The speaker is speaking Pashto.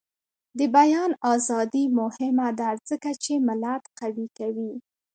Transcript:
د بیان ازادي مهمه ده ځکه چې ملت قوي کوي.